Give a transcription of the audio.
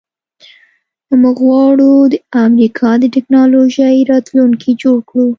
موږ غواړو د امریکا د ټیکنالوژۍ راتلونکی جوړ کړو